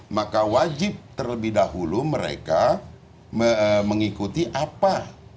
maka wajib terlebih dahulu mereka mengikuti apa